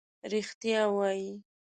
رښتیا وایې.